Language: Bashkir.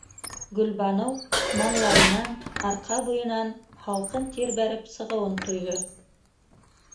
- Гөлбаныу маңлайынан, арҡа буйынан һалҡын тир бәреп сығыуын тойҙо.